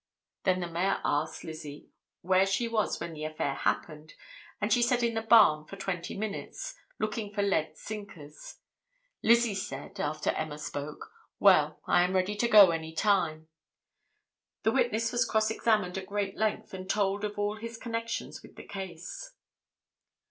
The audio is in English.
Then the Mayor asked Lizzie where she was when the affair happened, and she said in the barn for twenty minutes, looking for lead sinkers; Lizzie said, after Emma spoke, 'Well, I am ready to go any time.'" The witness was cross examined at great length and told of all his connections with the case.